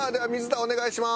お願いします。